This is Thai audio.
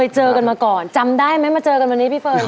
เจอกันมาก่อนจำได้ไหมมาเจอกันวันนี้พี่เฟิร์น